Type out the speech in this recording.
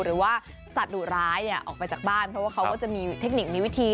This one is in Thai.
หรือว่าสัตว์ดุร้ายออกไปจากบ้านเพราะว่าเขาก็จะมีเทคนิคมีวิธี